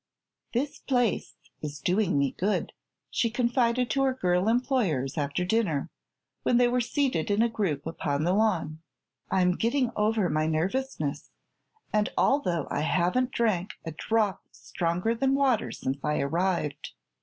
"This place is doing me good," she confided to her girl employers, after dinner, when they were seated in a group upon the lawn. "I'm getting over my nervousness, and although I haven't drank a drop stronger than water since I arrived.